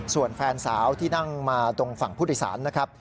ส่วนแฟนสาวที่นั่งมาตรงฝั่งผู้โดยสารนะครับ